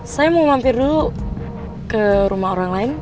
saya mau mampir dulu ke rumah orang lain